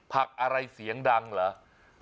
ผักอะไรเสียงดังเหรอ